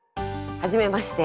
はじめまして。